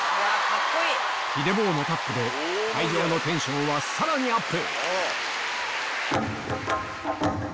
ＨｉｄｅｂｏＨ のタップで会場のテンションはさらにアップ！